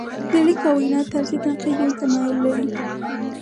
د لیک او وینا طرز یې تنقیدي تمایل لري.